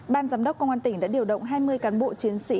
ban giám đốc công an tỉnh đã điều động hai mươi cán bộ chiến sĩ